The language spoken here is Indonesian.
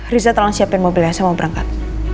rizya tolong siapin mobilnya saya mau berangkat